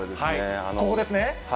ここですね。